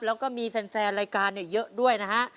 แล้วก็มีแฟนรายการเยอะด้วยนะฮะ